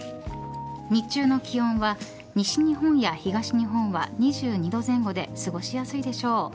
日中の気温は西日本や東日本は２２度前後で過ごしやすいでしょう。